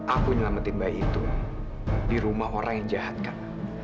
aku nyelamatin bayi itu di rumah orang yang jahat kan